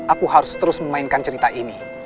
aku harus terus memainkan cerita ini